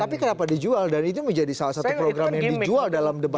tapi kenapa dijual dan itu menjadi salah satu program yang dijual dalam debat